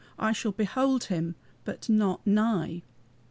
I shall behold him, but not nigh."